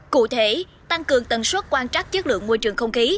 cụ thể tăng cường tần suất quan trắc chất lượng môi trường không khí